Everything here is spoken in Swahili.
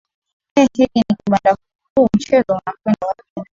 ee hiki ni kibanda huu mchezo unakwenda wapi